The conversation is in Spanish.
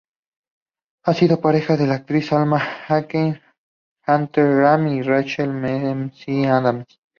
Ha sido pareja de las actrices Salma Hayek, Heather Graham y Rachel McAdams.